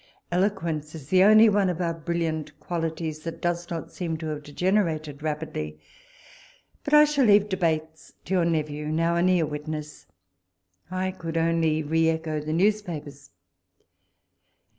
Eloquence is the only one of our brilliant qualities that does not seem to have degenerated rapidly— but I shall leave debates to your nephew, now an ear witness : I could only re echo the newspapers.